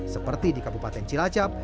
seperti di kabupaten cilacap